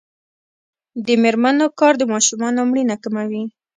د میرمنو کار د ماشومانو مړینه کموي.